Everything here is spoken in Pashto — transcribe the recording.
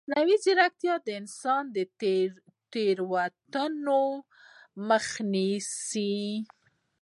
مصنوعي ځیرکتیا د انساني تېروتنو مخه نیسي.